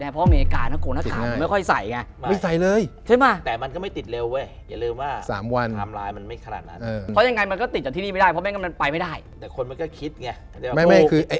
ผมว่าติดแน่